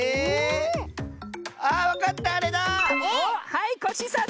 はいコッシーさん